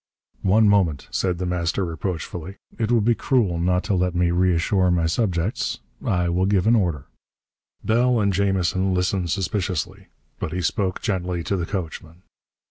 "One moment," said The Master reproachfully. "It would be cruel not to let me reassure my subjects. I will give an order." Bell and Jamison listened suspiciously. But he spoke gently to the coachman.